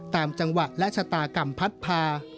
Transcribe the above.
ตามจังหวะและชะตากรรมพัดพา